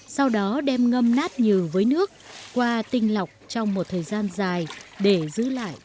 sau đó đem ngâm nát nhừ với nước qua tinh lọc trong một thời gian dài để giữ lại phần bột tràm